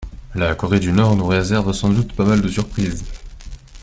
La corée du Nord nous réserve sans doute pas mal de surprise.